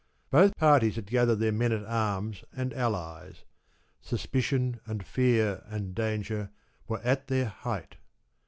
Both parties had gathered their men at arms and allies. Suspicion and fear and danger were at their height.